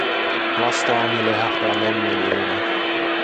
Vastaani lehahtaa lämmin ilma.